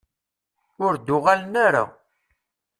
Ur d-uɣalen ara.